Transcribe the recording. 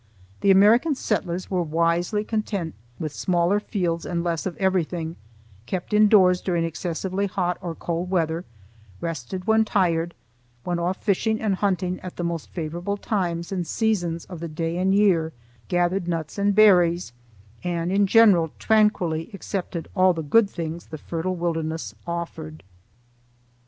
The American settlers were wisely content with smaller fields and less of everything, kept indoors during excessively hot or cold weather, rested when tired, went off fishing and hunting at the most favorable times and seasons of the day and year, gathered nuts and berries, and in general tranquilly accepted all the good things the fertile wilderness offered.